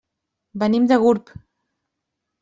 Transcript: Venim de Gurb.